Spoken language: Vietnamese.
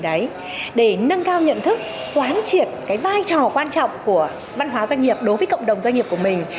để nâng cao nhận thức hoán triển cái vai trò quan trọng của văn hóa doanh nghiệp đối với cộng đồng doanh nghiệp của mình